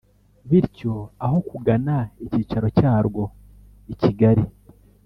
bityo aho kugana icyicaro cyarwo i Kigali